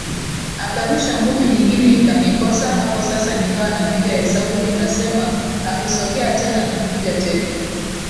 akarusha ngumi nyingine ikanikosa Hapo sasa nikawa napiga hesabu Nikasema akisogea tena nampiga teke